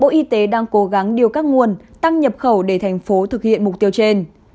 bộ y tế đang cố gắng điều các nguồn tăng nhập khẩu để thành phố thực hiện mục tiêu trên